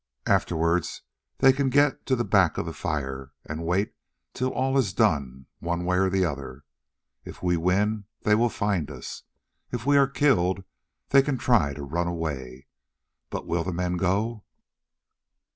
Afterwards they can get to the back of the fire and wait till all is done one way or the other. If we win they will find us, if we are killed they can try to run away. But will the men go?"